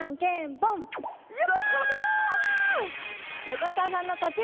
横澤さんの勝ち！